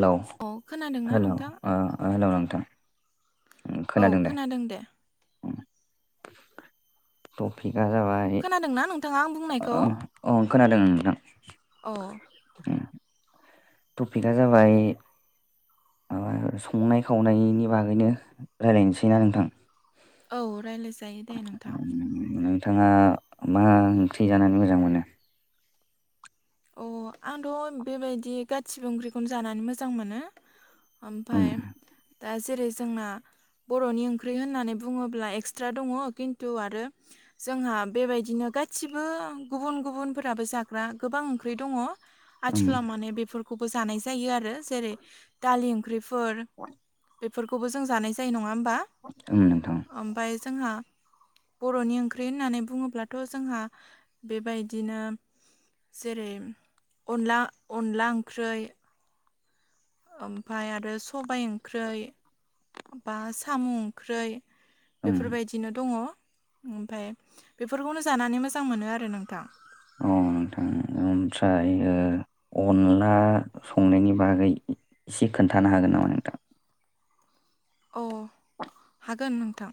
हेल' औ खोनादोंना हेल' ओ नोंथां? हेल' नोंथां। औ खोनादों दे। उम, टपिकआ जाबाय खोनादोंना नोंथाङा आं बुंनायखौ? ओ खोनादों नोंथां। अ उम, टपिकआ जाबाय- ओ संनाय-खावनायनि बागैनो रायजलायनोसैना नोंथां? औ रायज्लायसै। नोंथाङा मा ओंख्रि जानानै मोजां मोनो? अ आंथ' बेबायदि गासिबो ओंख्रिखौनो जानानै मोजां मोनो। उम ओमफाय दा जेरै जोंना बर'नि ओंख्रि होननानै बुङोब्ला एक्सट्रा दङ खिन्थु आरो जोंहा बेबायदिनो गासिबो गुबुन गुबुनफोराबो जाग्रा गोबां ओंख्रि दङ। उम आथिखालाव माने बेफोरखौबो जानाय जायो आरो जेरै दालि ओं- ओंख्रिफोर। बेफोरखौबो जों जानाय जायो। नङा ओ- उम नोंथां जोंहा बर'नि ओंख्रि होननानै बुङोब्लाथ' जोंहा बेबायदिनो जेरै अनला अनदला ओंख्रै‌। ओमफ्राय आरो सबाय ओंख्रै बा साम' ओंख्रै। उम बेफोरबायदिनो दङ। ओमफाय बेफोरखौनो जानानै मोजां मोनो आरो नोंथां‌। अ नोंथां ओमफ्राय ओ अनला संनायनि बागै एसे खोन्थानो हागोन नामा नोंथां अ हागोन नोंथां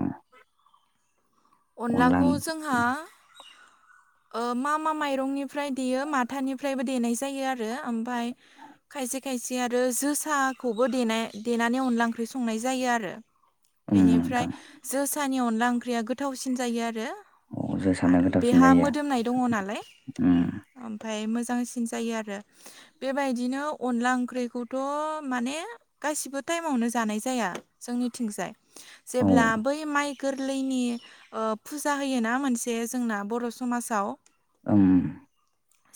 उम, अनला अनलाखौ जोंहा [inaudible] मा मा माइरंनिफ्राय देयो माथानिफ्रायबो देनाय जायो आरो ओमफफ्राय खायसे खायसे खायसे आरो जोसाखौबो द देनानै अनला ओंख्रि संनाय जायो आरो ओं उम नोंथां बेनिफ्राय जोसानि अनला ओंख्रिया गोथावसिन जायो आरो अ जोसाना गोथावसिन बेहा जायो मोदोमनाय दङ नालाय उम ओमफ्राय मो मोजांसिन जायो आरो बेबायदिनो अनला ओंख्रिखौथ' माने गासिबोथ' टाइमावनो जानाय जाया जोंनिथिंजाय औ जेब्ला बै माइ गोरलैनि फुजा होयोना मोनसे जोंना बर' समाजाव ओं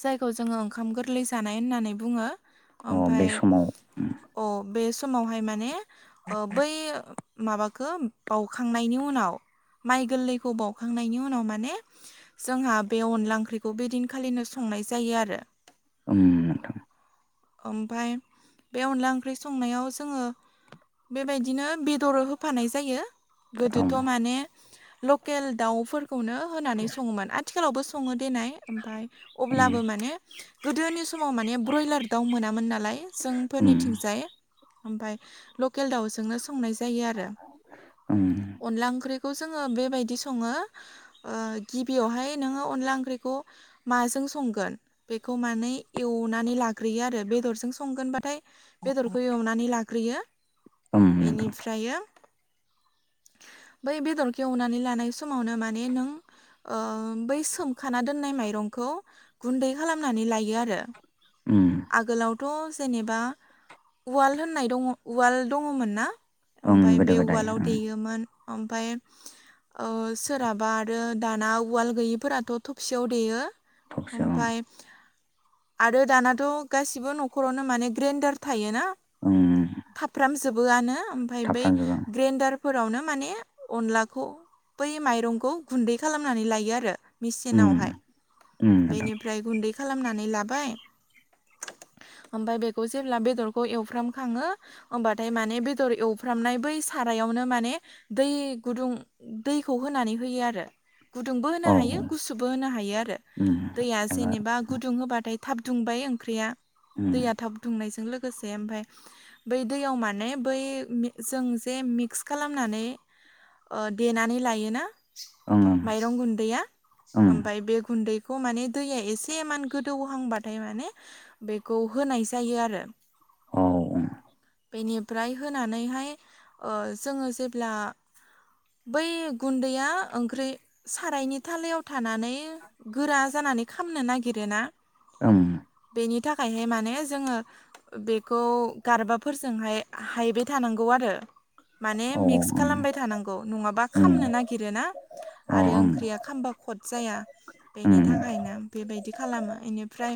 जायखौ जोङो ओंखाम गोरलै जानाय होननानै बुङो अ बे समाव ओमफ्राय समावहाय माने बै माबाखौ बाउखांनायनि उनाव माइ गोरलैखौ बाउखांनायनि उनाव माने जोंहा बे अनला ओंख्रिखौ बे दिनखालिनो संनाय नाय जायो आरो उमथां ओमफाय बे अनला ओंख्रि संनायाव जोङो बेबायदिनो बेदर होफानाय जायो। ओम गोदोथ' माने लकेल दावफोरखौनो होनानै सङोमोन आथिखालावबो स सङो देनाय ओमफ्राय अब्लाबो माने गोदोनि समाव माने ब्रइलार दाउ मोनामोन नालाय ओम जोंफोरनिथिंजाय ओमफाय लकेल दाउजोंनो संनाय जायो आरो ओम अनला ओंख्रि जोङो बेबायदि संङो गिबियावहाय नोङो अनला ओंख्रिखौ माजों संगोन बेखौ माने एवनानै लाग्रोयो आरो बेदरजों संगोनबाथाय बेदरखौ एवनानै लाग्रोयो ओम नोंथां बेनिफ्रायो बै बेदरखौ एवनानै लानाय समावनो माने नों बै सोमखाना दोननाय माइरंखौ गुन्दै खालामनानै लायो आरो। [unintelligible] थ' जेनेबा उवाल होननाय दङ उवाल दङमोन ना ओं ओमफफ्राय गोदो बे गोदाय उवालाव ओं दैयोमोन ओमफ्राय ओ सोरहाबा आरो दाना उवाल गैयिफोराथ' थबसेयाव देयो थबसेयाव ओं ओमफ्राय आरो दानाथ' गासिबो न'खरावनो माने ग्रेन्डार थायो ना [unintelligible] जोबोआनो ओमफफ्राय बै थाफ्रामजोबो आं ग्रेन्डारफोरावनो माने अनलाखौ बै माइरंखौ गुन्दै खालामनानै लायो आरो ओम मेचिनावहाय ओम नोंथां बेनिफ्राय गुन्दै खालामनानै लाबाय [unintelligible] ओमफफ्राय बेखौ जेब्ला बेदरखौ एवफ्राम खाङो होमबाथाय माने बेदर एवफ्रामनाय बै सारायाव यावनो माने दै गुदुं दैखौ होनानै होयो आरो गुदुंबो होनो हायो गुसुबो होनो हायो आरो उ जनोबा गुदुं होबाथाय थाब दुंबाय ओँख्रिया दैया थाबुंनाय ज ओमफ्राय बै दैयाव माने बै जों जे मिक्स खालामनानै देनानै लायोना माइरं गुन्दैया ओमफ्राय बे गुन्दै बेखौ माने दैया एसेमान गोदौहांबाथाय माने बेखौ होनाय जायो आरो औ बेनिफ्राय होनानैहाय ओ जोङो जेब्ला बै गुन्दैया ओंख्रि सारायनि थालायाव थानानै गोरा जानानै खामनो नागिरोना? ओम बेनि थाखायहाय माने जोङो बेखौ गारबाफोरजोंहाय हायबाय थानांगौ आरो आरो माने औ मिक्स ओं खालामबाय थानांगौ नङाबा ओं खामनो नागिरोना औ आरो ओं ओं औ ओंख्रिया खामबा खद जाया ओं बेनि थाखायनो बेबायदि खालामो बेनिफ्राय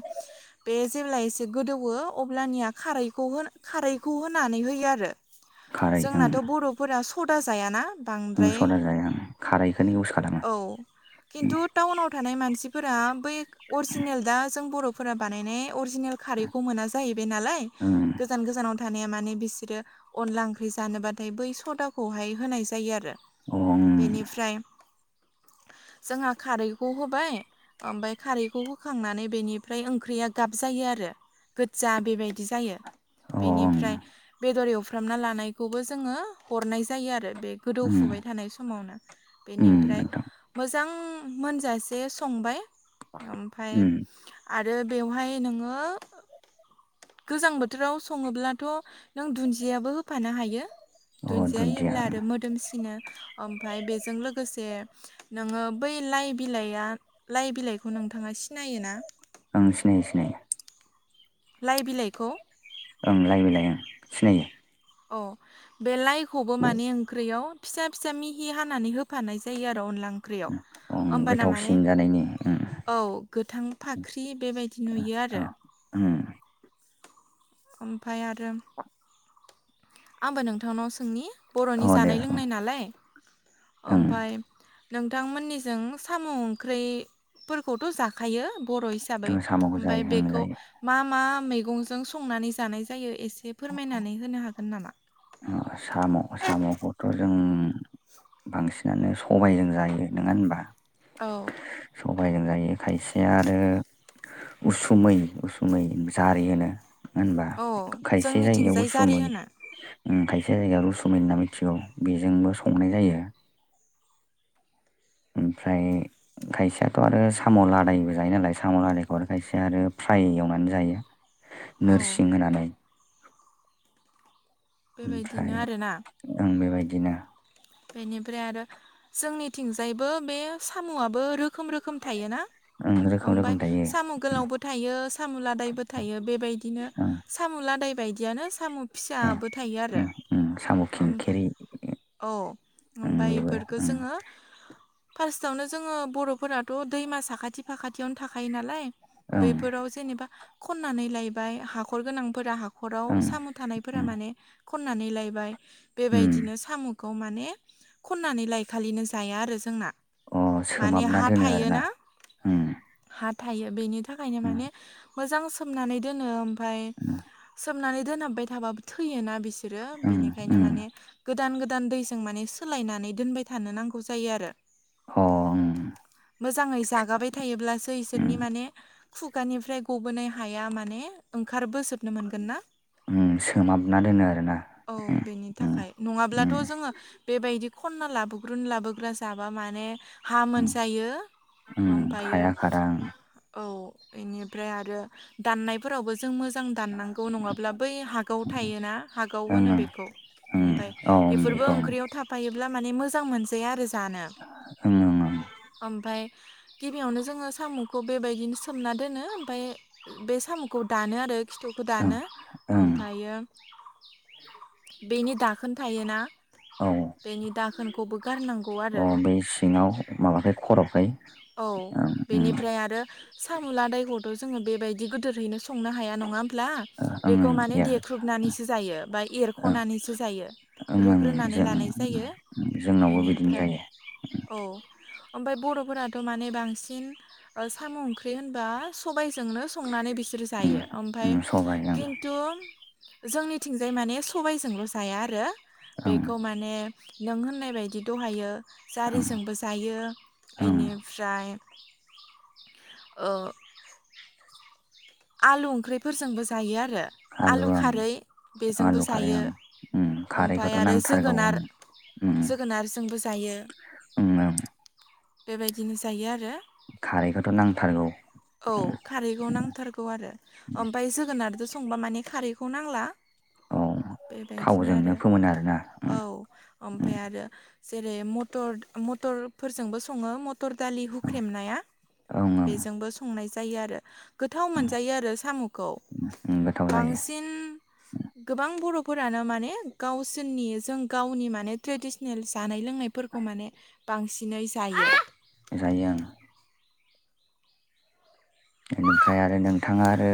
बे जेब्ला एसे गोदौवो अब्लानिया खारखौ होना खारैखौ होनानै होयो आरो खारै ओं जोंनाथ' बर'फोरा सदा जायाना ओं बांद्राय सदा जाया आं खारैखौनो इउस खालामो औ किन्थु टाउनाव थानाय मानसिफोरा बै अरजिनेल दा जों बर' फोरा बानायनाय अरजिनेल खारैखौ मोना जाहैबायनालाय ओं गोजान गोजानाव थानाया माने बिसोरो अनला ओंख्रि जानोबाथाय बै सदाखौहाय होनाय जायो आरो अ ओम बेनिफ्राय जोंहा खारै खौ होबाय ओमफ्राय खारैखौ होखांनानै बेनिफ्राय ओंख्रिया गाब जायो आरो- गोज्जा बेबायदि जायो अ ओं बेनिफ्राय बेदर एवफु फ्रामना लानायखौबो जोङो हरनाय जायो आरो- बे अ ओं ओम गोदौफुबाय थानाय समावनो ओम बेनिफ्राय नोंथां मोजां- मोनजासे संबाय ओमफ्राय ओम आरो बेवहाय नोङो गोजां बोथोराव सङोब्लाथ' नों दुन्दियाबो होफानो हायो। अ दुन्जिया दुन्दिया होयोब्ला ओं आरो मोदोमसिनो ओमफाय बेजों लोगोसे नोङो बै लाइ बिलाइआ लाइ बिलाइखौ नोंथाङा सिनायोना? ओं सिनायो सिनायो लाइ बिलाइखौ- ओं लायबिलाय ओं सिनायो अ बे लाइखौबो माने ओंख्रियाव फिसा फिसा मिहि हानानै होफानाय जायो आरो अनला ओंख्रियाव ओं होमबाना माने गोथावसिन जानायनि ओं औ गोथां फाख्रि बेबायदि नुयो आरो ओम ओमफाय आरो आंबो नोंथांनाव सोंनि बर'नि अ दे जानाय ओं लोंनाय नालाय ओं ओमफाय नोंथांमोननिजों साम' ओंख्रिफोरखौथ' जाखायो- बर' हिसाबै ओं साम'खौ ओमफाय जायो ओं बेखौ जायो मा मा- मैगंजों संनानै जानाय जायो एसे फोरमायनानै होनो हागोन नामा? ओ साम' साम'खौथ' जों- बांसिनानो सबायजों जायो नोङा होनबा? औ सबाइजों जायो खायसेया आरो उसुमै उसुमै जारि होनो नङा होनबा औ खायसे जायगायाव जोंनिथिंजाय गसु जारि मोनो होनो ओम खायसे जायगायाव रुसुमि होनना मिथिगौ बेजोंबो संनाय जायो। ओमफ्राय खायसेयाथ' आरो साम' लादायबो जायो नालाय साम' लादायखौ आरो खायसेया आरो फ्राय एवनानै जायो औ नोरसिं होनानै बेबायदिनो ओमफ्राय आरोना ओं बेबायदिनो बेनिफ्राय आरो जोंनिथिंजायबो बे साम'आबो रो रोखोम रोखोम थायो ना? ओं रोखोम रोखोम ओमफफ्राय थायो साम' गोलावबो थायो साम'लादायबो थायो बेबायदिनो ओं साम'लादाय बेबायदियानो साम' ओं फिसाबो थायो आरो ओं ओं साम' ओमफाय खिंखेरि औव ओं ओमफ्राय बेबो बेफोरखौ ओं जोङो फार्स्टआवनो जोङो बर'फोराथ' दैमा साखाथि फाखाथियावनो थाखायो नालाय ओं बैफोराव जेनेबा खननानै लायबाय हाखर गोनांफोरा हाखर न'खराव ओं साम' थानायफोरा ओं माने खननानै लायबाय उम बेबायदिनो मुगाव माने खननानै लायखालिनो जाया आरो जोंना। अ माने सोमाबना हा दोनो आरोना थायोना उम हा थायो बेनि थाखायनो उम उम माने मोजां सोमनानै दोनो ओमफ्राय उम सोमहाब नानै दोनहाबबाय थाबाबो थैयोना बिसोरो बेनिखायनो माने गोदान गोदान दैजों माने सोलायनानै दोनबाय थानो नांगौ जायो आरो। अ उम मोजाङै जागाबाय थायोब्लासो उम इसोरनि माने- खुगानिफ्राय गबोनाय हाया माने ओंखार ओम सोमाबना दोनो आरो ना। औ बेनि थाखाय नङाब्लाथ' जोङो बेबायदि खनना लाबोग्रोन लाबोग्रा जाबा माने हा उम मोनजायो उम ओमफ्रायो हाया खारा ओं औव। बेनिफ्राय आरो दाननायफोरावबो जों मोजां दाननांगौ नङाब्ला बै हागाव थायोना हागाव ओं होनो ओं बेखौ। ओं ओमफ्राय औ बेफोरबो बेखौ ओं ओंख्रियाव थाफायोब्ला माने मोजां मोनजाया आरो जानो ओं ओमफ्राय गिबियावनो जोङो साम'खौ बेबायदिनो सोमना दोनो ओमफाय बे साम'खौ दानो आरो। खिथुखौ ओं दानो ओं ओमफ्रायो बेनि दाखोन थायोना- औ बेनि दाखोनखौबो गारनांगौ आरो अ बै सिङाव माबाखै खर'खै। औव ओं ओं बेनिफ्राय आरो साम'लादायखौथ' जोङो बेबायदि गोदोरहैनो सं संनो हाया नङा होमब्ला ओं बेखौ ओं माने एयार देख्रुबनानैसो जायो बा ओं एरख'नानैसो जायो ओं ओं रुग्रोनानै जों लानाय जायो जोंनावबो बिदिनो बेनिफ्राय जायो औव ओमफ्राय बर' फोराथ' माने बांसिन ओ साम'ओंख्रि होनबा सबाइजो जोंनो संनानै बिसोरो ओं जायो ओमफ्राय ओं सबाय ओं खिन्थु- जोंनिथिंजाय माने सबायजोंल' जाया आरो ओं बेखौ माने नों होननाय बायदि दहायो ओं जारिजोंबो जायो ओं बेनिफ्राय ओ। आलु ओंख्रिफोरजोंबो जायो आरो आलु खारै बेजोंबो आलु खारै जायो। ओं उम ओमफ्राय खारैखौथ' आरो नांथारगौ जोगोनार ओं उम जोगोनारजोंबो जायो उम ओं बेबायदिनो जायो आरो। खारैखौथ' नांथारगौ औव ओम खारैखौ नां नांगौ आरो ओमफ्राय जोगोनारजों संबा माने खारैखौ नांला। औ बेबायदिनो थावजोंनो आरो फोमोनो आरोना ओम औव ओमफ्राय ओम आरो जेरै मटर मटरफोरजोंबो सङो म टर दालि हुख्रेमनाया ओं ओं बेजोंबो संनाय जायो आरो। गोथाव ओं मोनजायो आरो साम'खौ ओं गोथाव जायो बांसिन गोबां बर' फोरानो माने गावसोरनि जों गावनि माने ट्रेडिसनेल जानाय लोंनायफोरखौ माने बांसिनै जायो। जायो आं। बेनिफ्राय आरो नोंथाङा आरो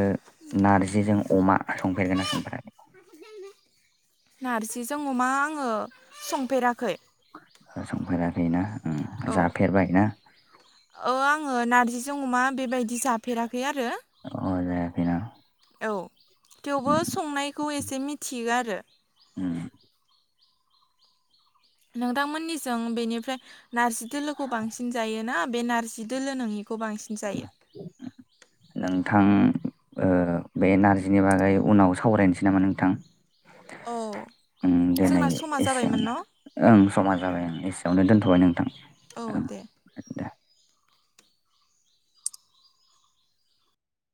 नारजिजों अमा संफेरगोन ना संफेराखै। नारजिजों अमा आङो संफेराखै। [unintelligible] ना जाफेरबाय ना। औव आङो नारजिजों अमा बेबायदि जाफेराखै आरो। बेना- औ थेवबो संनायखौ एसे मिथियो आरो। उम नोंथांमोननिजों बेनिफ्राय नारजि दोलोखौ बांसिन जायोना? बे नारजि दोलो नङिखौ बांसिन जायो? नोंथां ओ बे नारजिनि बागै उनाव सावरायनोसै नामा नोंथां? औ ओम दोनै जोंना समा जाबायमोन एसेयावनो न' ओं समा जाबाय आं एसेयावनो दोनथ' औ दे।